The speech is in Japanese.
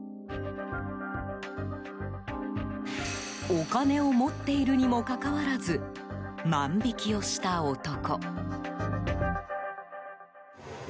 お金を持っているにもかかわらず万引きをした男。